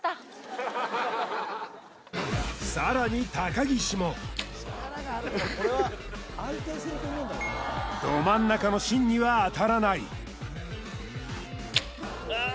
さらに高岸もど真ん中の芯には当たらないあっ！